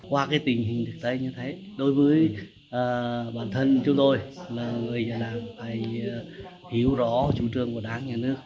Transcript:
qua tình hình thực tế như thế đối với bản thân chúng tôi là người nhà làng phải hiểu rõ chủ trương của đảng và nhà nước